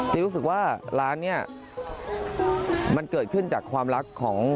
รู้สึกว่าร้านนี้มันเกิดขึ้นจากความรักของ